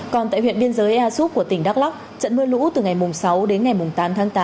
còn tại huyện biên giới ea xúc của tỉnh đắk lóc trận mưa lũ từ ngày mùng sáu đến ngày mùng tám tháng tám